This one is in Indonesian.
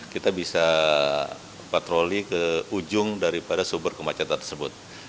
kita bisa patroli ke ujung daripada sumber kemacetan tersebut